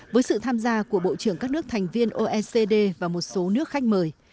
với sự tham gia của bộ trưởng các nước thành viên oecd và một số nước khách mời